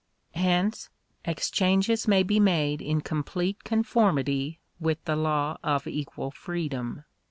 Hence, exchanges may be made in complete conformity with the law of equal freedom.